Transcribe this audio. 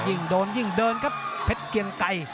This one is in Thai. ยิ่งโดนยิ่งเดินครับเพชรเกียงไกร